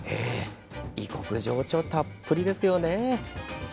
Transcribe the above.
異国情緒たっぷりですよね。